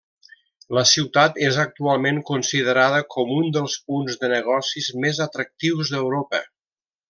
La ciutat és actualment considerada com un dels punts de negocis més atractius d'Europa.